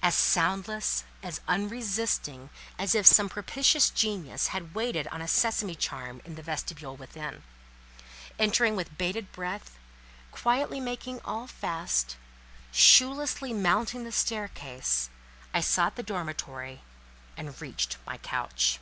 As soundless, as unresisting, as if some propitious genius had waited on a sesame charm, in the vestibule within. Entering with bated breath, quietly making all fast, shoelessly mounting the staircase, I sought the dormitory, and reached my couch.